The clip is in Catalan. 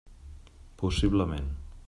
Possiblement.